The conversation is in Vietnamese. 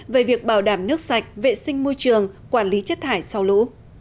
về việc bảo đảm nước sạch vệ sinh môi trường quản lý chất thải sau lũ